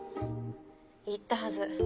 言ったはず